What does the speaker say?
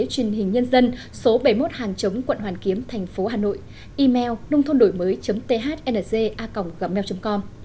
truyền hình nhân dân số bảy mươi một hàng chống quận hoàn kiếm thành phố hà nội email nôngthonđổimới thnza gmail com